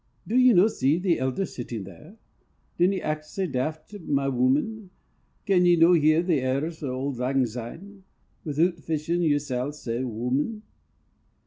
"Do ye no see the elder sitting there? Dinna act sae daft, my wooman. Can ye no hear the airs o' auld lang syne Wi'oot fashin' yersel' sae, wooman?"